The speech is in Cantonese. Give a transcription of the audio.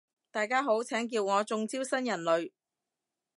大家好，請叫我中招新人類